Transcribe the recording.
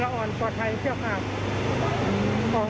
แล้วเขาอยู่กันลำบากไหมคะอยู่กันอย่างไรบ้าง